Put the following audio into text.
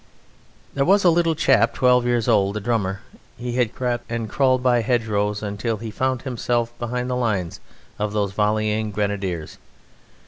There was a little chap, twelve years old, a drummer; he had crept and crawled by hedgerows till he found himself behind the line of those volleying Grenadiers.